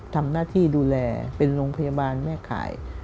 ทำหน้าที่ดูแลเป็นโรงพยาบาลแม่ขาย